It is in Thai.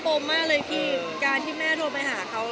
แล้วมาข้อพูดไหนกับเรานะคะ